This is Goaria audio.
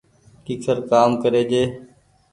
ڪيکر ڪآم ڪري جي